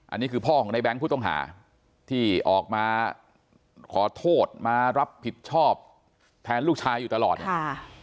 อันนี้คือพ่อของในแง๊งผู้ต้องหาที่ออกมาขอโทษมารับผิดชอบแทนลูกชายอยู่ตลอดค่ะ